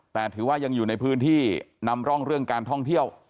แต่ถือว่ายังอยู่ในพื้นที่นำร่องเรื่องการท่องเที่ยว